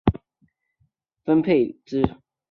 剩余名额由其他政党或联盟依得票比率分配之。